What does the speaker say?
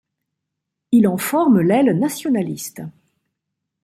Il en forme l'aile nationaliste.